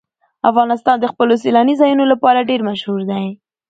افغانستان د خپلو سیلاني ځایونو لپاره ډېر مشهور دی.